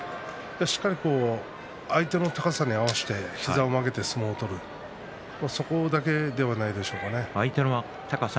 しっかり相手の高さに合わせて膝を曲げて相撲を取るそこだけではないでしょうか。